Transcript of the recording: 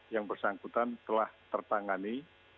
yang bersangkutan telah tertangani